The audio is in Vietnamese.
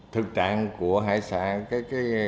thực trạng của hải sản các doanh nghiệp